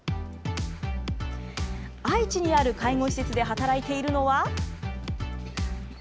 愛知にある介護施設で働いているのは。